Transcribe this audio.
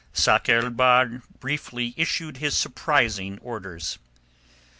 Sakr el Bahr briefly issued his surprising orders.